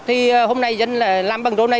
thì hôm nay dân làm bằng đô này